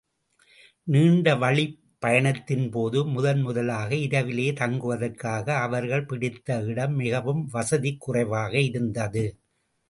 நீண்டவழிப் பயணத்தின்போது, முதன்முதலாக இரவிலே தங்குவதற்காக அவர்கள் பிடித்த இடம் மிகவும் வசதிக் குறைவாக இருந்தது.